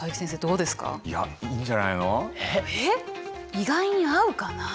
意外に合うかなあ？